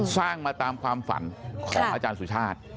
สร้างมาตามความฝันของอาจารย์สุชาติ